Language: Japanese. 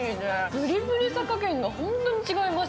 プリプリさ加減が本当に違います。